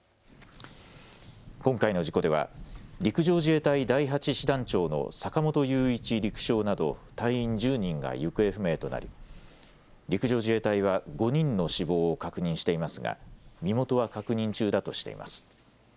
今回の事故では陸上自衛隊第８師団長の坂本雄一陸将など隊員１０人が行方不明となり陸上自衛隊は５人の死亡を確認していますが身元は確認中だとしています。